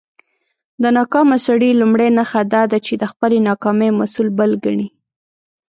د ناکامه سړى لومړۍ نښه دا ده، چې د خپلى ناکامۍ مسول بل کڼې.